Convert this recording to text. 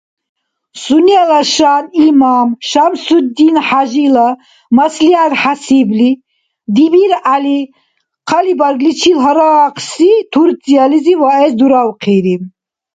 Сунела шан имам ШамсудинхӀяжила маслигӀят хӀясибли, ДибиргӀяли хъалибаргличил гьарахъси Турциялизи ваэс дуравхъири.